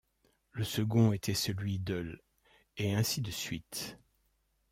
Le second était celui de l' et ainsi de suite.